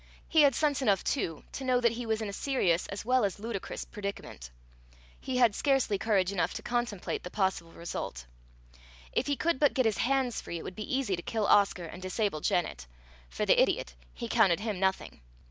He had sense enough, too, to know that he was in a serious as well as ludicrous predicament: he had scarcely courage enough to contemplate the possible result. If he could but get his hands free, it would be easy to kill Oscar and disable Janet. For the idiot, he counted him nothing.